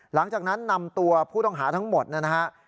หลังจากนั้นนำตัวผู้ต้องหาทั้งหมดนะฮะ